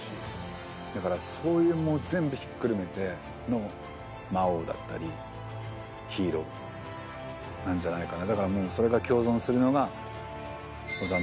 だからそういう全部ひっくるめての魔王だったりヒーローなんじゃないかな。